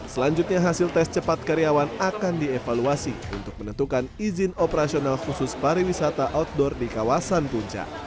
selanjutnya hasil tes cepat karyawan akan dievaluasi untuk menentukan izin operasional khusus pariwisata outdoor di kawasan puncak